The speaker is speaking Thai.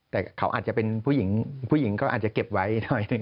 แต่เขาอาจจะเป็นผู้หญิงก็อาจจะเก็บไว้หน่อย